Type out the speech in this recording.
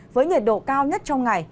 với nhiệt độ cao nhất trong ngày